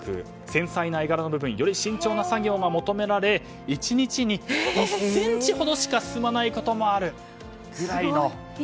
繊細な絵柄なためより慎重な作業が求められ１日に１ｃｍほどしか進まないこともある。